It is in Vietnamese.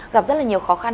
gặp rất nhiều khó khăn